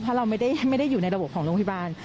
เพราะเราไม่ได้อยู่ในระบบของโรงพยาบาล